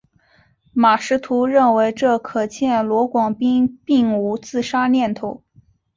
马识途认为这可见罗广斌并无自杀念头。